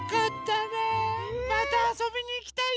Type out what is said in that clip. またあそびにいきたいよね。